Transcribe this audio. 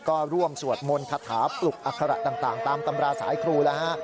ก็ร่วมสวดมนต์คาถาปลุกอัคระต่างตามตำราสายครูแล้วฮะ